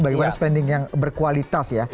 bagaimana spending yang berkualitas ya